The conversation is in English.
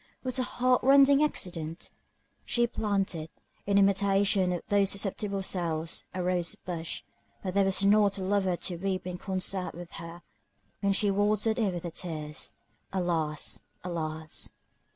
What a heart rending accident! She planted, in imitation of those susceptible souls, a rose bush; but there was not a lover to weep in concert with her, when she watered it with her tears. Alas! Alas!